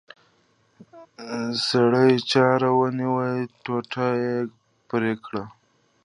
سړي چاړه ونیوله ټوټه یې پرې کړه.